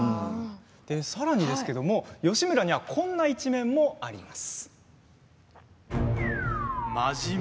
さらに義村にはこんな一面もあります。